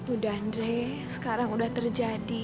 udah andre sekarang udah terjadi